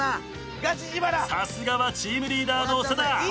さすがはチームリーダーの長田。